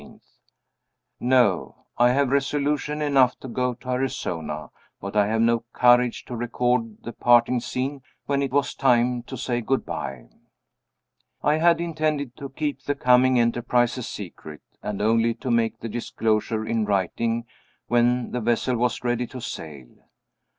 No. I have resolution enough to go to Arizona, but I have no courage to record the parting scene when it was time to say good by. I had intended to keep the coming enterprise a secret, and only to make the disclosure in writing when the vessel was ready to sail.